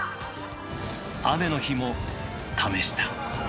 雨の日も試した。